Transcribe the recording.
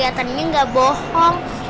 dia kelihatannya gak bohong